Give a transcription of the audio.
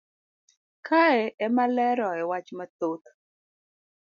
kae emalero e wach mathoth